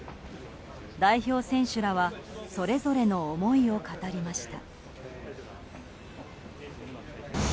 代表選手らはそれぞれの思いを語りました。